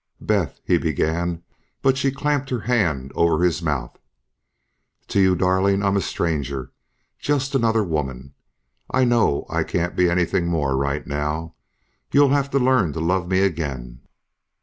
"Beth," he began but she clamped her hand over his mouth. "To you, darling, I'm a stranger, just another woman. I know I can't be anything more right now. You'll have to learn to love me again.